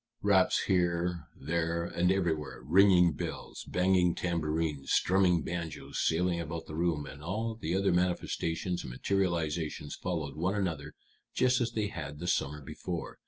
Raps here, there, and everywhere, ringing bells, banging tambourines, strumming banjos sailing about the room, and all the other manifestations and materializations followed one another just as they had the summer before.